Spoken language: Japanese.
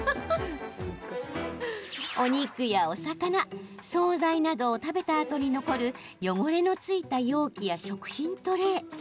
お肉やお魚、総菜などを食べたあとに残る汚れのついた容器や食品トレー。